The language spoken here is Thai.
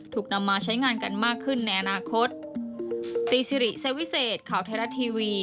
ถูกนำมาใช้งานกันมากขึ้นในอนาคต